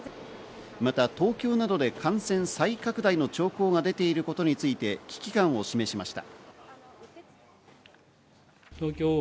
また東京などで感染再拡大の兆候が出ていることについて危機感を示しました。